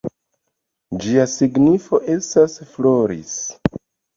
Ĝia signifo estas “floris”.